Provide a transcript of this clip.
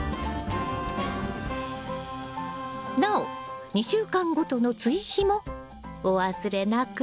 なお２週間ごとの追肥もお忘れなく。